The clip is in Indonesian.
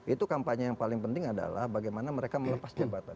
itu kampanye yang paling penting adalah bagaimana mereka melepas jabatan